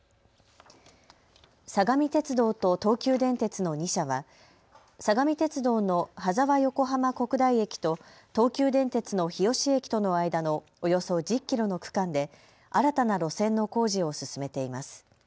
相模鉄道と東急電鉄の２社は相模鉄道の羽沢横浜国大駅と東急電鉄の日吉駅との間のおよそ１０キロの区間で新たな路線の工事を進めています。